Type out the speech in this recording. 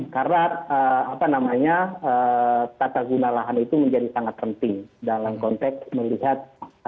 karena tata guna lahan itu menjadi sangat penting dalam konteks melihat